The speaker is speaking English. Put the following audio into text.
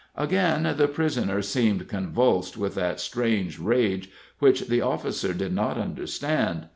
Again the prisoner seemed convulsed with that strange rage which the officer did not understand.